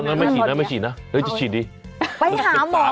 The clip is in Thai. งั้นไม่ฉีดนะฉีดดิไปหาหมอ